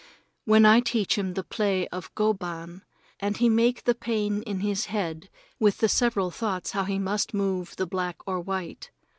Then I teach him the play of go ban, and he make the pain in his head with the several thoughts how he must move the black or white.